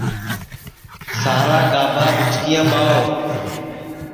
سارا گابھا ٻُچکِیام ٻاہوَ